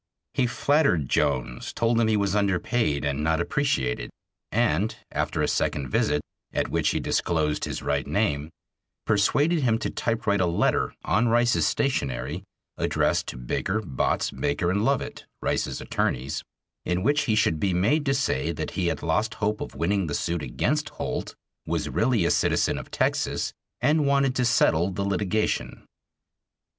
He flattered Jones; told him he was underpaid and not appreciated, and, after a second visit, at which he disclosed his right name, persuaded him to typewrite a letter on Rice's stationery addressed to Baker, Botts, Baker & Lovett (Rice's attorneys), in which he should be made to say that he had lost hope of winning the suit against Holt, was really a citizen of Texas, and wanted to settle the litigation.